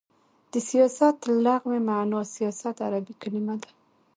د سیاست لغوی معنا : سیاست عربی کلمه ده.